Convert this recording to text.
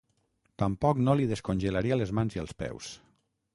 Tampoc no li descongelaria les mans i els peus.